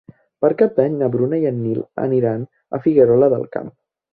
Per Cap d'Any na Bruna i en Nil aniran a Figuerola del Camp.